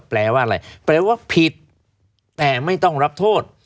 แปลว่าอะไรแปลว่าผิดแต่ไม่ต้องรับโทษ